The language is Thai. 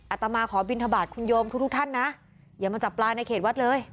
อาตมาขอบินทบาทคุณโยมทุกท่านนะอย่ามาจับปลาในเขตวัดเลย